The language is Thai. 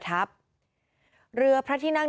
ในเวลาเดิมคือ๑๕นาทีครับ